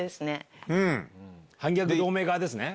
反逆同盟側ですね。